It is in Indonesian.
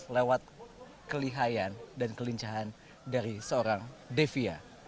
lewat kelihayan dan kelincahan dari seorang devia